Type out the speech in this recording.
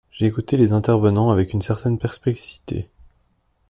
J’ai écouté les intervenants avec une certaine perplexité.